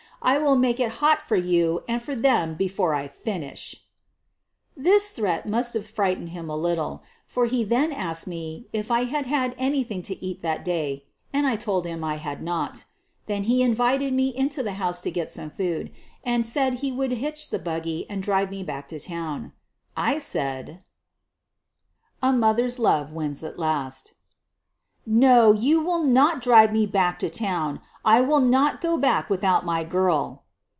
I will make it hot for you and for them before I finish.' ' This threat must have frightened him a little, for he then asked me if I had had anything to eat that day, and I told him I had not. Then he invited me into the house to get some food, and said he would hitch up the buggy and drive me back to town. I said: a mother's love wins at last 1 ' No, you will not drive me back to town. I will not go back without my girl."